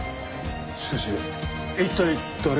しかし一体誰が。